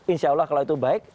insya allah kalau itu baik